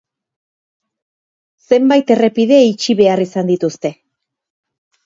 Zenbait errepide itxi behar izan dituzte.